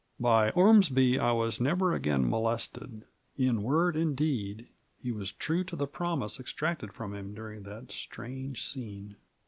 113 By Ormsby I was never again molested; in word and deed, he was true to the promise exacted from him dnring that strange scene.